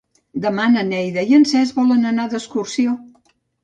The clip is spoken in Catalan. Demà na Neida i en Cesc volen anar d'excursió.